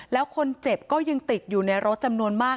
แล้วคนเจ็บก็ยังติดอยู่ในรถจำนวนมาก